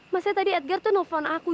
maksudnya tadi edgar tuh nelfon aku